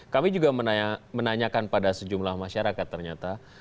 kami juga menanyakan pada sejumlah masyarakat ternyata